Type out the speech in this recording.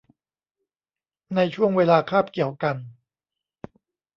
ในช่วงเวลาคาบเกี่ยวกัน